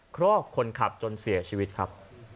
ครอกคนขับจนเสียชีวิตครับ